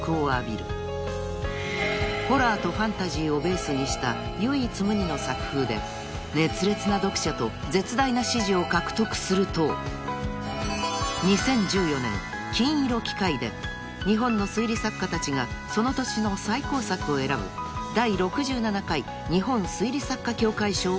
［ホラーとファンタジーをベースにした唯一無二の作風で熱烈な読者と絶大な支持を獲得すると２０１４年『金色機械』で日本の推理作家たちがその年の最高作を選ぶ第６７回日本推理作家協会賞を受賞］